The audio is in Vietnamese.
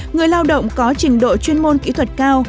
người lao động có trình độ chuyên môn kỹ thuật cao